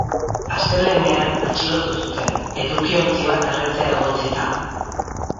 Astelehenenean atxilotu zuten, edukiontzi bat erretzea egotzita.